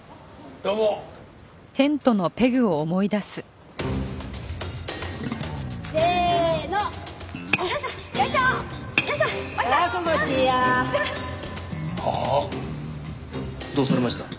どうされました？